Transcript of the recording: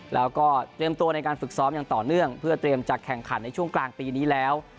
แล้วก็เตรียมตัวในการฝึกซ้อมอย่างต่อเนื่องเพื่อเตรียมจะแข่งขันในช่วงกลางปีนี้แล้ว